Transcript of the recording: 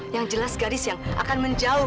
yang jelas garis yang akan menjauh